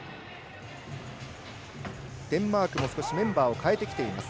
デンマークも少しメンバーを代えてきています。